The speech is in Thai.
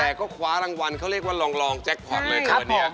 แต่ก็คว้ารางวัลเขาเรียกว่ารองแจ็คพอร์ตเลยค่ะวันนี้